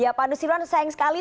ya pak andus sirwan sayang sekali